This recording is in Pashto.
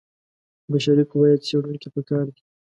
بشري قوه یا څېړونکي په کار دي.